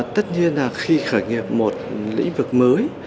tất nhiên là khi khởi nghiệp một lĩnh vực mới